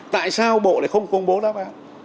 tại sao bộ này không công bố đáp án